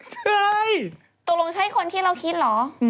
ใช่ตกลงใช่คนที่เราคิดเหรอ